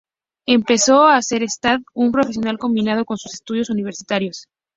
Empezó a hacer stand-up profesional combinándolo con sus estudios universitarios.